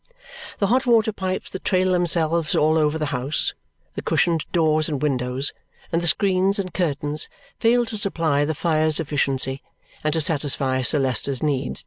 The hot water pipes that trail themselves all over the house, the cushioned doors and windows, and the screens and curtains fail to supply the fires' deficiencies and to satisfy Sir Leicester's need.